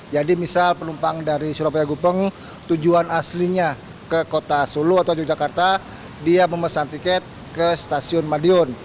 jadi misal penumpang dari surabaya gupeng tujuan aslinya ke kota sulu atau yogyakarta dia memesan tiket ke stasiun madiun